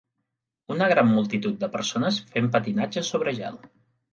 Una gran multitud de persones fent patinatge sobre gel.